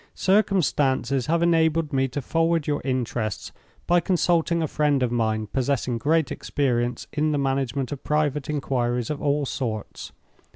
Circumstances have enabled me to forward your interests, by consulting a friend of mine possessing great experience in the management of private inquiries of all sorts.